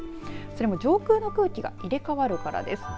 それも上空の空気が入れ替わるからです。